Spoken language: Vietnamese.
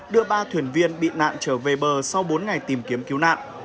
đưa ba thuyền viên bị nạn trở về bờ sau bốn ngày tìm kiếm cứu nạn